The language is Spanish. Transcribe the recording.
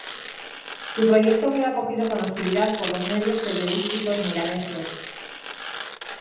Su proyecto fue acogido con hostilidad por los medios periodísticos milaneses.